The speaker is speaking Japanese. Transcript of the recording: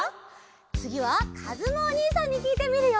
つぎはかずむおにいさんにきいてみるよ！